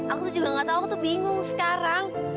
aku juga gak tau aku tuh bingung sekarang